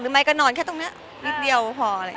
หรือไม่ก็นอนแค่ตรงนี้นิดเดียวเพราะพอ